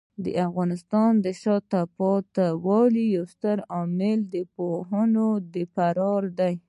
د افغانستان د شاته پاتې والي یو ستر عامل د پوهانو د فرار دی.